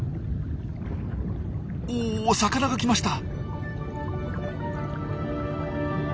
お魚が来ました！